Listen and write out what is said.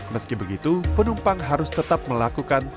meski begitu penumpang harus tetap melakukan